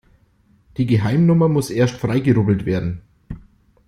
Die Geheimnummer muss erst freigerubbelt werden.